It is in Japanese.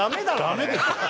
ダメですよ。